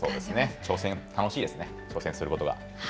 挑戦、楽しいですね、挑戦することが。